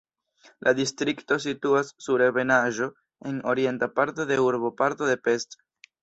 La distrikto situas sur ebenaĵo en orienta parto de urboparto de Pest.